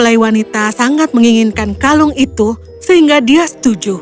saya sangat ingin menikmati kalung itu sehingga dia setuju